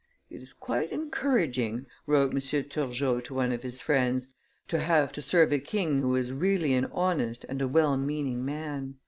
"It is quite encouraging," wrote M. Turgot to one of his friends, "to have to serve a king who is really an honest and a well meaning man."